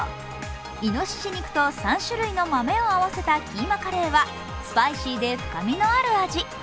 いのしし肉と３種類の豆を合わせたキーマカレーはスパイシーで深みのある味。